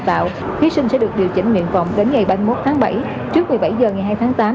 tạo thí sinh sẽ được điều chỉnh nguyện vọng đến ngày ba mươi một tháng bảy trước một mươi bảy h ngày hai tháng tám